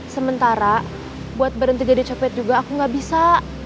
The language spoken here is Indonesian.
sementara buat berhenti jadi copet juga aku gak bisa